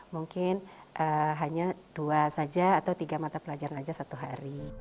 mungkin hanya dua saja atau tiga mata pelajaran saja satu hari